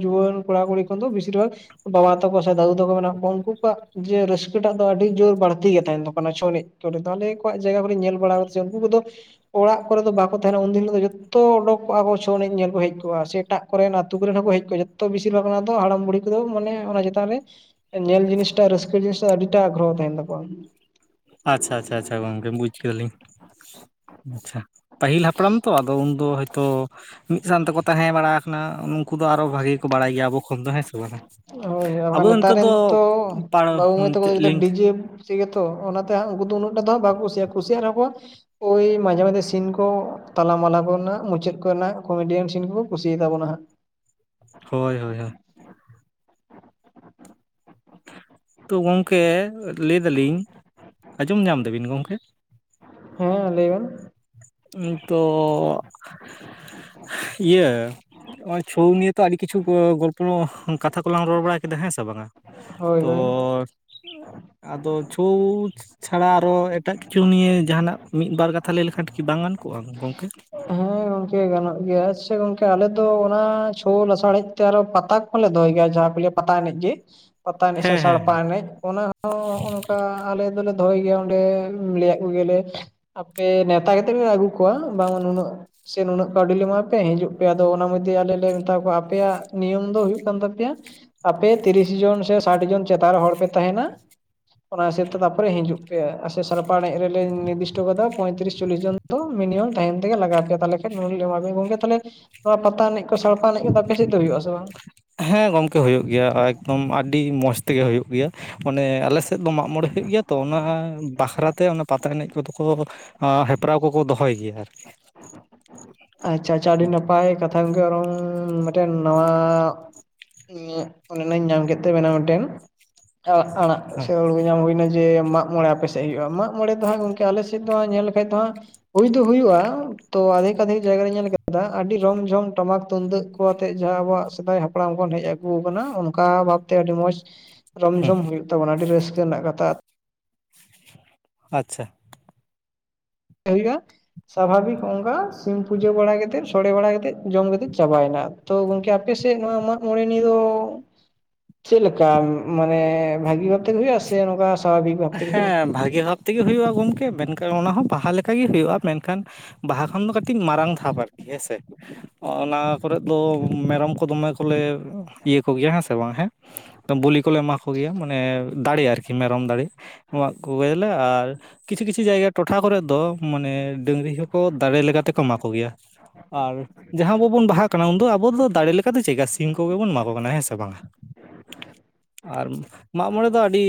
ᱡᱩᱣᱚᱹᱱ ᱠᱚᱲᱟ ᱠᱩᱲᱤ ᱠᱷᱟᱱᱫᱚ ᱵᱤᱥᱤᱨ ᱵᱷᱟᱜᱼᱼ ᱵᱟᱵᱟ ᱛᱟᱠᱚ ᱥᱮ ᱫᱟᱹᱫᱩ ᱛᱟᱠᱚ ᱢᱮᱱᱟᱜ ᱠᱚᱣᱟ ᱩᱱᱠᱩ ᱠᱚᱣᱟᱜ ᱡᱮ ᱨᱟᱹᱥᱠᱟᱹ ᱴᱟᱜ ᱫᱚ ᱟᱹᱰᱤ ᱡᱳᱨ ᱵᱟᱹᱲᱛᱤ ᱜᱮ ᱛᱟᱦᱮᱱ ᱛᱟᱠᱚ ᱠᱟᱱᱟ ᱪᱷᱳ ᱮᱱᱮᱡ ᱾ ᱛᱟᱦᱚᱞᱮ ᱟᱠᱚᱣᱟᱜ ᱡᱟᱭᱜᱟ ᱠᱚᱨᱮᱧ ᱧᱮᱞ ᱵᱟᱲᱟᱫᱟ ᱩᱱᱠᱩ ᱠᱚᱫᱚ ᱚᱲᱟᱜ ᱠᱚᱨᱮ ᱫᱚ ᱵᱟᱠᱚ ᱛᱟᱦᱮᱸᱱᱟ ᱩᱱ ᱫᱤᱱ ᱦᱤᱞᱟᱜ ᱡᱷᱚᱛᱚᱼᱼ ᱡᱚᱛᱚ ᱚᱰᱚᱠ ᱠᱚᱜᱼᱟ ᱠᱚ ᱪᱷᱚ ᱮᱱᱮᱡ ᱧᱮᱞ ᱠᱚ ᱦᱮᱡ ᱠᱚᱜᱼᱟ, ᱮᱴᱟᱜ ᱠᱚᱨᱮᱱ ᱟᱹᱛᱩ ᱠᱚᱨᱮᱱ ᱦᱚᱸᱠᱚ ᱦᱮᱡ ᱠᱚᱜ ᱡᱚᱛᱚ ᱵᱤᱥᱤᱨ ᱵᱷᱟᱜ ᱚᱱᱟ ᱦᱟᱲᱟᱢ ᱵᱩᱲᱦᱤ ᱠᱚ ᱾ ᱢᱟᱱᱮ ᱚᱱᱟ ᱪᱮᱛᱟᱱ ᱨᱮ ᱧᱮᱞ ᱡᱤᱱᱤᱥᱴᱟ ᱨᱟᱹᱥᱠᱟᱹ ᱡᱤᱱᱤᱥᱴᱟ ᱟᱹᱰᱤᱴᱟᱜ ᱟᱜᱽᱨᱚᱦᱚ ᱛᱟᱦᱮᱱ ᱛᱟᱠᱚᱣᱟ ᱾ ᱟᱪᱪᱷᱟ ᱟᱪᱪᱷᱟ ᱟᱪᱪᱷᱟ ᱜᱚᱝᱠᱮ ᱵᱩᱪ ᱠᱮᱫᱟᱞᱤᱧ ᱾ ᱟᱪᱪᱷᱟ, ᱯᱟᱹᱦᱤᱞ ᱦᱟᱯᱲᱟᱢ ᱛᱚ ᱟᱫᱚ ᱩᱱᱫᱚ ᱦᱚᱭ ᱛᱚᱼᱼ ᱢᱤᱫ ᱥᱟᱶ ᱛᱮᱠᱚ ᱛᱟᱦᱮᱸ ᱵᱟᱲᱟ ᱠᱟᱱᱟ ᱩᱱᱼᱼ ᱩᱱᱠᱩ ᱫᱚ ᱟᱨᱚ ᱵᱷᱟᱜᱮ ᱠᱚ ᱵᱟᱲᱟᱭ ᱜᱮᱭᱟ ᱟᱵᱚ ᱠᱷᱚᱱ ᱫᱚ ᱦᱮᱸ ᱥᱮ ᱵᱟᱝᱟ, ᱦᱳᱭ ᱦᱳᱭ ᱟᱵᱚ ᱵᱟᱠᱷᱟᱱ ᱱᱮᱛᱟᱨ ᱱᱤᱛᱚᱜ ᱨᱮᱱ ᱫᱚᱼᱼ ᱛᱚ ᱯᱟᱲᱚᱢ ᱪᱮᱫ ᱞᱤᱝᱠᱼᱼ ᱴᱷᱤᱠ ᱜᱮᱭᱟᱛᱚ, ᱚᱱᱟᱛᱮ ᱩᱱᱠᱩ ᱫᱚ ᱩᱱᱟᱹᱜ ᱴᱟ ᱫᱚ ᱵᱟᱠᱚ ᱠᱩᱥᱟᱜᱼᱟ ᱠᱩᱥᱤᱭᱟᱜ ᱨᱮᱦᱚᱸ ᱠᱚᱼᱼ ᱳᱭ ᱢᱟᱡᱷᱮ ᱢᱟᱡᱷᱮ ᱥᱤᱱ ᱠᱚ ᱛᱟᱞᱟ ᱢᱟᱞᱟ ᱠᱚᱨᱮᱱᱟᱜ ᱢᱩᱪᱟᱹᱫ ᱠᱚᱨᱮᱱᱟᱜ ᱠᱚᱢᱮᱰᱤᱭᱟᱱ ᱥᱤᱱ ᱠᱚ ᱠᱚ ᱠᱩᱥᱤᱭᱟ ᱛᱟᱵᱚᱱᱟ ᱦᱟᱸᱜ ᱾ ᱦᱳᱭ ᱦᱳᱭ ᱦᱳᱭ ᱾ ᱛᱚ ᱜᱚᱢᱠᱮ ᱞᱟᱹᱭ ᱫᱟᱞᱤᱧ, ᱟᱸᱡᱚᱢ ᱧᱟᱢ ᱫᱟᱵᱤᱱ ᱜᱚᱢᱠᱮ? ᱦᱮᱸ ᱞᱟᱹᱭ ᱵᱮᱱ, ᱤᱧ, ᱛᱚ- ᱤᱭᱟᱹ, ᱱᱚᱜᱚᱭ ᱪᱷᱳ ᱱᱤᱭᱟᱹ ᱛᱚ, ᱟᱹᱰᱤ ᱠᱤᱪᱷᱩ ᱠᱚ, ᱜᱚᱞᱯᱚ ᱠᱟᱛᱷᱟ ᱠᱚᱞᱟᱝ ᱨᱚᱲ ᱵᱟᱲᱟ ᱠᱮᱫᱟ ᱦᱮᱸ ᱥᱮ ᱵᱟᱝᱟ? ᱦᱳᱭ ᱛᱚ ᱦᱳᱭ ᱟᱫᱚ ᱪᱷᱳ ᱪᱷᱟᱲᱟ ᱟᱨᱚ ᱮᱴᱟᱜ ᱠᱤᱪᱷᱩ ᱱᱤᱭᱮ, ᱡᱟᱦᱟᱱᱟᱜ ᱢᱤᱫᱵᱟᱨ ᱠᱟᱛᱷᱟ, ᱞᱟᱹᱭ ᱞᱮᱠᱷᱟᱱ ᱟᱨᱴᱠᱤ ᱵᱟᱝ ᱜᱟᱱ ᱠᱚᱜᱼᱟ, ᱜᱚᱢᱠᱮ? ᱦᱮᱸ ᱜᱚᱝᱠᱮ ᱜᱟᱱᱚᱜ ᱜᱮᱭᱟ, ᱥᱮ ᱜᱚᱝᱠᱮ ᱟᱞᱮ ᱫᱚ ᱚᱱᱟ, ᱪᱷᱳ ᱞᱟᱥᱟᱲᱦᱮᱡ ᱛᱮ ᱟᱨᱚ ᱯᱟᱛᱟ ᱠᱚᱞᱮ ᱫᱚᱦᱚᱭ ᱜᱮᱭᱟ, ᱡᱟᱦᱟ ᱠᱚ ᱞᱟᱹᱭᱼᱟ ᱯᱟᱛᱟ ᱮᱱᱮᱢ ᱜᱮ, ᱯᱟᱛᱟ ᱮᱱᱮᱡ ᱥᱮ ᱦᱮᱸ ᱦᱮᱸ ᱥᱟᱲᱯᱟ ᱮᱱᱮᱡ, ᱚᱱᱟ ᱛᱚ ᱚᱱᱠᱟ ᱟᱞᱮ ᱫᱚᱞᱮ ᱫᱚᱦᱚᱭ ᱜᱮᱭᱟ, ᱚᱸᱰᱮ ᱞᱟᱹᱭᱟ ᱠᱚᱜᱮ ᱭᱟᱞᱮ, ᱟᱯᱮ ᱱᱮᱶᱛᱟ ᱠᱟᱛᱮᱫ ᱯᱮ, ᱟᱹᱜᱩ ᱠᱚᱣᱟ ᱵᱟᱝ ᱱᱩᱱᱟᱹᱜ ᱥᱮ ᱱᱩᱱᱟᱹᱜ ᱠᱟᱹᱣᱰᱤ ᱞᱮ ᱮᱢᱟ ᱯᱮᱭᱟ, ᱦᱤᱡᱩᱜ ᱯᱮ ᱟᱫᱚ ᱚᱱᱟ ᱢᱚᱫᱽᱫᱷᱮ ᱟᱞᱮ ᱞᱮ ᱢᱮᱛᱟ ᱠᱚᱣᱟ, ᱟᱯᱮᱭᱟᱜ ᱱᱤᱭᱚᱢ ᱫᱚ ᱦᱩᱭᱩᱜ ᱠᱟᱱ ᱛᱟᱯᱮᱭᱟ, ᱟᱯᱮ ᱛᱤᱨᱤᱥ ᱡᱚᱱ ᱥᱮ, ᱥᱟᱴ ᱡᱚᱱ ᱪᱮᱛᱟᱱ ᱨᱮ ᱦᱚᱲ ᱯᱮ ᱛᱟᱦᱮᱸᱱᱟ, ᱚᱱᱟ ᱦᱤᱥᱟᱹᱵ ᱛᱮ ᱛᱟᱯᱚᱨᱮ ᱦᱤᱡᱩᱜ ᱥᱮ ᱥᱟᱨᱯᱟ ᱮᱱᱮᱡ ᱨᱮᱞᱮ ᱱᱤᱨᱫᱤᱥᱴᱚ ᱠᱟᱫᱟ, ᱯᱚᱭᱛᱨᱤᱥ ᱪᱚᱞᱞᱤᱥ ᱡᱚᱱ, ᱫᱚ ᱢᱤᱱᱤᱢᱟᱢ ᱛᱟᱭᱮᱱ ᱛᱮᱜᱮ ᱞᱟᱜᱟᱣ ᱟᱯᱮᱭᱟ, ᱛᱟᱞᱦᱮ ᱠᱷᱟᱡ ᱜᱚᱝᱠᱮ, ᱛᱟᱞᱦᱮ ᱱᱚᱶᱟ ᱯᱟᱛᱟ ᱮᱱᱮᱡ ᱠᱚ, ᱥᱟᱲᱯᱟ ᱮᱱᱮᱡ ᱠᱚᱫᱚ ᱟᱯᱮ ᱥᱮᱫ ᱫᱚ, ᱦᱳᱭᱩᱜ ᱟ ᱥᱮ ᱵᱟᱝ? ᱦᱮᱸ ᱜᱚᱝᱠᱮ ᱦᱳᱭᱳᱜ ᱜᱮᱭᱟ, ᱮᱠᱫᱚᱢ ᱟᱹᱰᱤ ᱢᱚᱸᱡᱽ ᱛᱮᱜᱮ ᱦᱳᱭᱳᱜ ᱜᱮᱭᱟ, ᱚᱱᱮ ᱟᱞᱮ ᱥᱮᱫ ᱛᱮᱫ ᱫᱚ ᱢᱟᱜ ᱢᱚᱬᱮ ᱦᱳᱭᱳᱜ ᱜᱮᱭᱟ ᱛᱚ, ᱚᱱᱟ ᱵᱟᱠᱷᱨᱟᱛᱮ ᱚᱱᱟ ᱯᱟᱛᱟ ᱮᱱᱮᱡ ᱠᱚᱫᱚ ᱠᱚ ᱦᱮᱯᱨᱟᱣ, ᱠᱚ ᱠᱚ ᱫᱚᱦᱚᱭ ᱜᱮᱭᱟ ᱟᱨᱠᱤ᱾ ᱟᱪᱪᱷᱟ, ᱟᱪᱪᱷᱟ, ᱟᱹᱰᱤ ᱱᱟᱯᱟᱭ ᱠᱟᱛᱷᱟ ᱜᱚᱝᱠᱮ ᱟᱨᱚ ᱢᱤᱜᱴᱟᱝ ᱱᱟᱶᱟ ᱤᱧᱟᱹᱜ ᱚᱸᱱᱚᱸᱱᱟ ᱤᱧ ᱧᱟᱢ ᱠᱮᱫ ᱛᱟ ᱵᱮᱱᱟ ᱢᱤᱫᱴᱮᱱ᱾ ᱟ ᱟᱲᱟᱜ ᱦᱮᱸ ᱥᱮ, ᱦᱩᱲᱩ ᱧᱟᱢ ᱦᱩᱭᱱᱟ ᱡᱮ ᱢᱟ ᱢᱚᱬᱮ ᱟᱯᱮᱥᱮᱫ ᱦᱳᱭᱳᱜᱼᱟ, ᱢᱟᱜ ᱢᱚᱬᱮ ᱫᱚ ᱦᱟᱸᱜ ᱜᱚᱢᱠᱮ, ᱟᱞᱮ ᱥᱮᱫ ᱫᱚ ᱧᱮᱞ ᱞᱮᱠᱷᱟᱡ ᱫᱚ ᱦᱟᱸᱜ, ᱦᱩᱭ ᱫᱚ ᱦᱩᱭᱩᱜᱼᱟ᱾ ᱛᱚ ᱟᱫᱷᱮᱠ ᱟᱫᱷᱮᱠ ᱡᱟᱭᱜᱟᱨᱤᱧ ᱧᱮᱞ ᱠᱟᱫᱟ, ᱟᱹᱰᱤ ᱨᱚᱢ ᱡᱷᱚᱢ ᱴᱟᱢᱟᱠ ᱛᱩᱢᱫᱟᱹᱜ ᱠᱚ, ᱟᱛᱮᱜ ᱡᱟᱦᱟᱸ ᱟᱵᱚᱣᱟᱜ ᱥᱮᱫᱟᱭ ᱦᱟᱯ ᱦᱟᱯᱲᱟᱢ ᱠᱷᱚᱱ ᱦᱮᱡ ᱟᱹᱜᱩ ᱟᱠᱟᱱᱟ, ᱚᱱᱠᱟ ᱵᱷᱟᱵᱛᱮ ᱟᱹᱰᱤ ᱢᱚᱸᱡᱽ, ᱨᱚᱢ ᱡᱷᱚᱢ ᱦᱳᱭᱳᱜ ᱛᱟᱵᱚᱱᱟ, ᱟᱹᱰᱤ ᱨᱟᱹᱥᱠᱟᱹ ᱨᱮᱱᱟᱜ ᱠᱟᱛᱷᱟ᱾ ᱟᱪᱪᱷᱟ, ᱦᱩᱭᱩᱜᱼᱟ, ᱥᱟᱵᱷᱟᱵᱤᱠ ᱚᱝᱠᱟ ᱥᱤᱢ ᱯᱩᱡᱟᱹ ᱵᱟᱲᱟ ᱠᱟᱛᱮᱫ, ᱥᱚᱲᱮ ᱵᱟᱲᱟ ᱠᱟᱛᱮᱫ, ᱡᱚᱢ ᱠᱟᱛᱮᱫ ᱪᱟᱵᱟᱭ ᱱᱟ ᱟᱨ᱾ ᱛᱚ ᱜᱚᱝᱠᱮ ᱟᱯᱮᱥᱮᱫ ᱢᱟᱜᱢᱚᱬᱮ ᱱᱤᱭᱟᱹ ᱫᱚ, ᱪᱮᱫ ᱞᱮᱠᱟ ᱢᱟᱱᱮ? ᱵᱷᱟᱹᱜᱤ ᱵᱷᱟᱵᱛᱮ ᱜᱮ ᱦᱳᱭᱩᱜᱼᱟ, ᱥᱮ ᱱᱚᱝᱠᱟ ᱥᱟᱵᱷᱟᱵᱤᱠ ᱵᱷᱟᱵᱛᱮ ᱜᱮ ᱦᱳᱭᱩᱜᱼᱟ? ᱵᱷᱟᱹᱜᱮ ᱵᱷᱟᱵ ᱛᱮᱜᱮ ᱦᱳᱭᱳᱜᱼᱟ, ᱜᱚᱢᱠᱮ ᱢᱮᱱᱠᱷᱟᱱ ᱚᱱᱟ ᱦᱚᱸ ᱵᱟᱦᱟ ᱞᱮᱠᱟ ᱜᱮ ᱦᱳᱭᱳᱜᱼᱟ, ᱢᱮᱱᱠᱷᱟᱱ ᱵᱟᱦᱟ ᱠᱷᱚᱱ ᱫᱚ ᱠᱟᱹᱴᱤᱡ ᱢᱟᱨᱟᱝ ᱫᱷᱟᱯ ᱟᱨᱠᱤ, ᱦᱮᱸᱥᱮ ᱚᱱᱟ ᱠᱚᱨᱮᱫ ᱫᱚ, ᱢᱮᱨᱚᱢ ᱠᱚ ᱫᱚᱢᱮ ᱠᱚᱞᱮ ᱤᱭᱟᱹ ᱠᱚᱜᱮᱭᱟ, ᱦᱮᱸ ᱥᱮ ᱵᱟᱝ ᱦᱮᱸ, ᱵᱚᱞᱤ ᱠᱚᱞᱮ ᱮᱢᱟ ᱠᱚᱜᱮᱭᱟ, ᱢᱟᱱᱮ ᱫᱟᱲᱮ ᱟᱨᱠᱤ ᱢᱮᱨᱚᱢ ᱫᱟᱲᱮ ᱮᱢᱟᱜ ᱠᱚᱜᱮᱞᱮ, ᱟᱨ ᱠᱤᱪᱷᱩ ᱠᱤᱪᱷᱩ ᱡᱟᱭᱜᱟ, ᱴᱚᱴᱷᱟ ᱠᱚᱨᱮᱫ ᱫᱚ, ᱢᱟᱱᱮ ᱰᱟᱹᱝᱨᱤ ᱦᱚᱸᱠᱚ, ᱫᱟᱲᱮ ᱞᱮᱠᱟ ᱛᱮᱠᱚ ᱮᱢᱟ ᱠᱚ ᱜᱮᱭᱟ᱾ ᱟᱨ ᱡᱟᱦᱟᱸ ᱟᱵᱚ ᱵᱚᱱ ᱵᱟᱦᱟᱜ ᱠᱟᱱᱟ, ᱩᱱ ᱫᱚ ᱟᱵᱚ ᱫᱚ ᱫᱟᱲᱮ ᱞᱮᱠᱟ ᱫᱚ, ᱪᱮᱫ ᱠᱟ ᱥᱮ ᱥᱤᱢ ᱠᱚᱜᱮ ᱵᱚᱱ, ᱮᱢᱟ ᱠᱚ ᱠᱟᱱᱟ, ᱦᱮᱸ ᱥᱮ ᱵᱟᱝᱟ? ᱟᱨ ᱢᱟᱜ ᱢᱚᱬᱮ ᱫᱚ ᱟᱹᱰᱤ